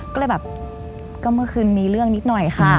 ก็เลยแบบก็เมื่อคืนมีเรื่องนิดหน่อยค่ะ